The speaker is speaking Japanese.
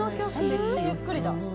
めっちゃゆっくりだ。